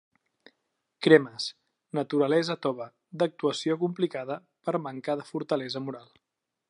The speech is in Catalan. Cremes: naturalesa tova, d'actuació complicada per manca de fortalesa moral.